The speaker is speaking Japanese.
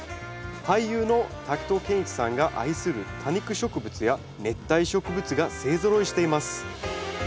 俳優の滝藤賢一さんが愛する多肉植物や熱帯植物が勢ぞろいしています